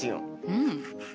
うん。